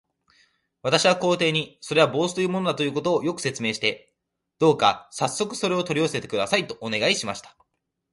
私は皇帝に、それは帽子というものだということを、よく説明して、どうかさっそくそれを取り寄せてください、とお願いしました。